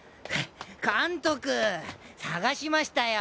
監督捜しましたよ。